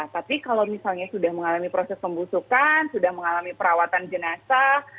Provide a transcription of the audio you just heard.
tapi kalau misalnya sudah mengalami proses pembusukan sudah mengalami perawatan jenazah